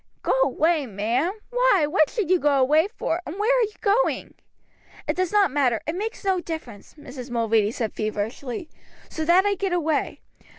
"Go away, ma'am! Why, what should you go away for, and where are you going?" "It does not matter; it makes no difference," Mrs. Mulready said feverishly, "so that I get away.